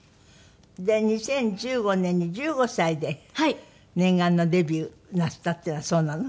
で２０１５年に１５歳で念願のデビューなすったっていうのはそうなの？